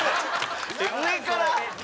上から？